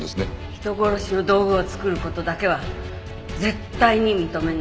人殺しの道具を作る事だけは絶対に認めない。